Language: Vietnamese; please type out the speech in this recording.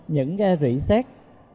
những rỉ xét